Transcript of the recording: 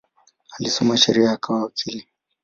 Alisoma sheria akawa wakili.